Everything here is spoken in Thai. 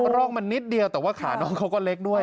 ร่องมันนิดเดียวแต่ว่าขาน้องเขาก็เล็กด้วย